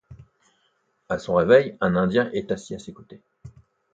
À son réveil, un indien est assis à ses côtés.